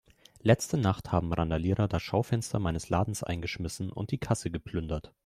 Letzte Nacht haben Randalierer das Schaufenster meines Ladens eingeschmissen und die Kasse geplündert.